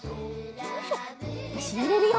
よしゆれるよ。